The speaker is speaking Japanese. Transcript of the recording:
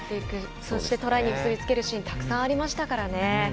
そして、トライに結び付けるシーンたくさんありましたからね。